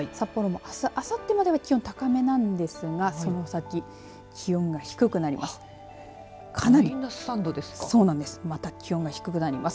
札幌も、あす、あさってまでは気温が高めなんですがその先、気温が低くなります。